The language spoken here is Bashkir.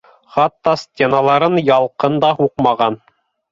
Хатта стеналарын ялҡын да һуҡмаған.